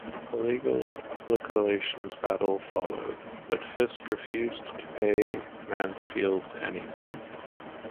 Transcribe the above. A legal and public relations battle followed, but Fisk refused to pay Mansfield anything.